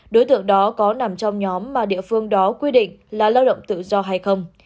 đối tượng đó có nằm trong nhóm mà địa phương đó quy định là lao động tự do hay không